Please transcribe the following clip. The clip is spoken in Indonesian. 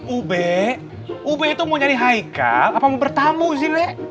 ube ube itu mau nyari haika apa mau bertamu sih lek